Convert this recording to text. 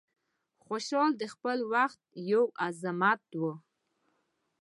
خوشحال د خپل وخت یو عظمت و.